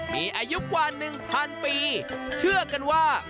มีอายุกว่าหนึ่งพันปีเชื่อกันว่า